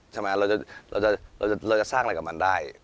ใช่ไหมเราจะสร้างอะไรกับมันได้